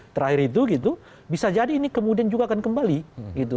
terakhir itu gitu bisa jadi ini kemudian juga akan kembali gitu